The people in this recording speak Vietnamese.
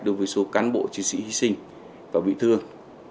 đối với số cán bộ chiến sĩ hy sinh và bị thương